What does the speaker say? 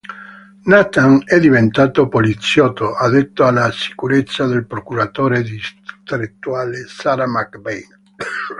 Nathan è diventato poliziotto, addetto alla sicurezza del procuratore distrettuale Sara McBain.